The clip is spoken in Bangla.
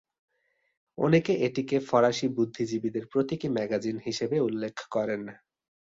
অনেকে এটিকে ফরাসি বুদ্ধিজীবীদের প্রতীকী ম্যাগাজিন হিসেবে উল্লেখ করেন।